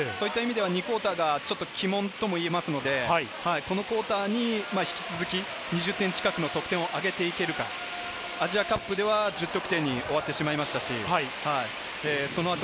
２クオーターがちょっと鬼門とも言えるので、このクオーターに引き続き２０点近くの得点をあげていけるか、アジアカップでは１０得点に終わってしまいました。